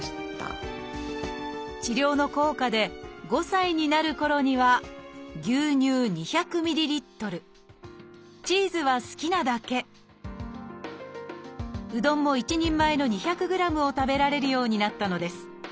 治療の効果で５歳になるころには牛乳２００ｍＬチーズは好きなだけうどんも一人前の２００ｇを食べられるようになったのです。